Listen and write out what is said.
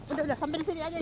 udah udah sampai sini aja